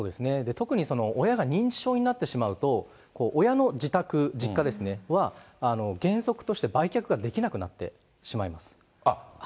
特に、親が認知症になってしまうと、親の自宅、実家は原則として売却ができなくなってしまいます。